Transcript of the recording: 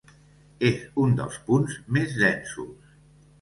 És un dels punts més densos.